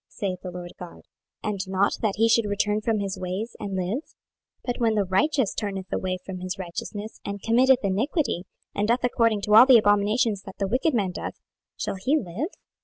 saith the Lord GOD: and not that he should return from his ways, and live? 26:018:024 But when the righteous turneth away from his righteousness, and committeth iniquity, and doeth according to all the abominations that the wicked man doeth, shall he live?